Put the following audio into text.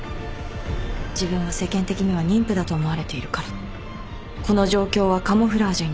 自分は世間的には妊婦だと思われているからこの状況はカムフラージュになる。